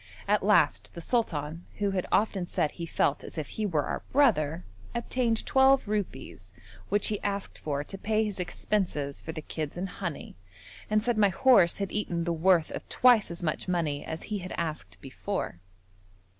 At last the sultan, who had often said he felt as if he were our brother, obtained twelve rupees which he asked for to pay his expenses for the kids and honey, and said my horse had eaten the worth of twice as much money as he had asked before.